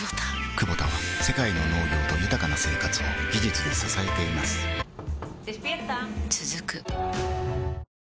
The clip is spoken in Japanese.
クボタは世界の農業と豊かな生活を技術で支えています起きて。